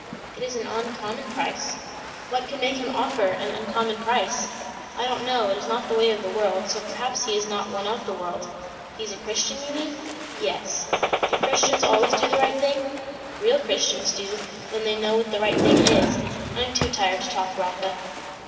"It is an uncommon price." "What could make him offer an uncommon price?" "I don't know. It is not the way of the world, so perhaps he is not one of the world." "He's a Christian, you mean?" "Yes." "Do Christians always do the right thing?" "Real Christians do, when they know what the right thing is. I am too tired to talk, Rotha."